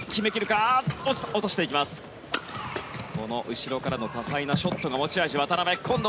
後ろからの多彩なショットが持ち味、渡辺。